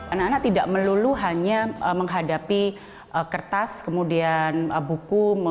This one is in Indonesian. anak anak tidak melulu hanya menghadapi kertas kemudian buku